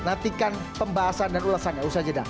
nantikan pembahasan dan ulasannya usai jeda